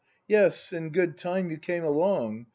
Yes, in good time you came along.